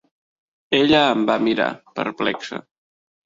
Ella em va mirar, perplexa.